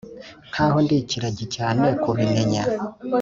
nkaho ndi ikiragi cyane kubimenya.